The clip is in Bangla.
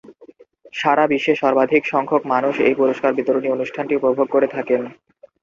সারা বিশ্বে সর্বাধিক সংখ্যক মানুষ এই পুরস্কার বিতরণী অনুষ্ঠানটি উপভোগ করে থাকেন।